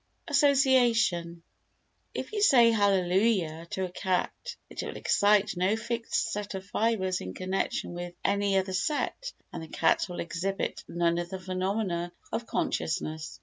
Association If you say "Hallelujah" to a cat, it will excite no fixed set of fibres in connection with any other set and the cat will exhibit none of the phenomena of consciousness.